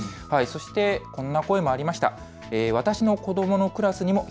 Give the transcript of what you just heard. そして、こんな声もありました。